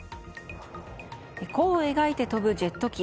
弧を描いて飛ぶジェット機。